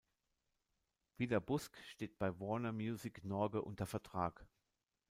Vidar Busk steht bei Warner Music Norge unter Vertrag.